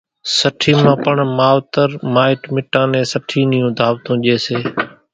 سٺِي مان پڻ ماوَتر مائٽ مِٽان نين سٺِي نيون ڌاوَتون ڄيَ سي۔